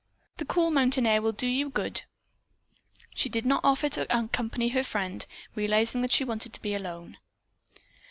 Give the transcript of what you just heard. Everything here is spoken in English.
The cool mountain air will do you good." She did not offer to accompany her friend, realizing that she wanted to be alone.